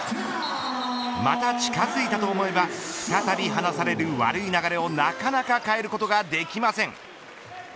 また近づいたと思えば再び離される、悪い流れをなかなか変えることができません。